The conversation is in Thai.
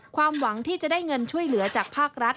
ความหวังที่จะได้เงินช่วยเหลือจากภาครัฐ